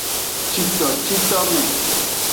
Citocitome.